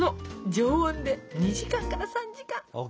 常温で２時間から３時間。ＯＫ。